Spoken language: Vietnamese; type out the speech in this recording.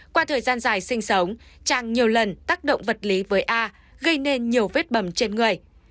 qua thời gian dài sinh sống trang nhiều lần tác động vật lý với a gây nên nhiều vết bầm trên người